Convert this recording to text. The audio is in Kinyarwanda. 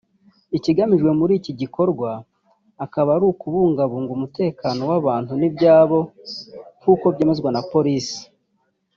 Ikigamijwe muri iki gikorwa akaba ari ukubungabunga umutekano w’abantu n’ibyabo nk’uko byemezwa na polisi